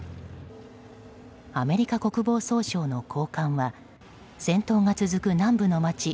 アメリカ国防総省の高官は戦闘が続く南部の街